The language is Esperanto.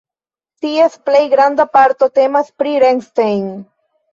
Ties plej granda parto temas pri Rennsteig.